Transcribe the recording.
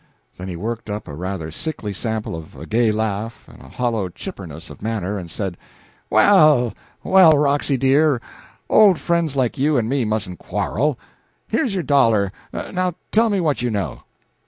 Then he worked up a rather sickly sample of a gay laugh and a hollow chipperness of manner, and said: "Well, well, Roxy dear, old friends like you and me mustn't quarrel. Here's your dollar now tell me what you know."